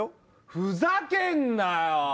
ふざけんなよ！